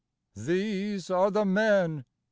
These are the men !